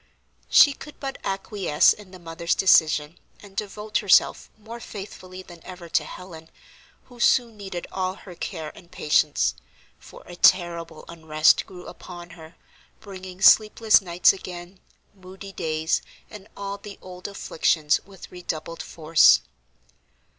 She could but acquiesce in the mother's decision, and devote herself more faithfully than ever to Helen, who soon needed all her care and patience, for a terrible unrest grew upon her, bringing sleepless nights again, moody days, and all the old afflictions with redoubled force.